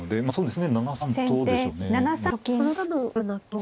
そうですね。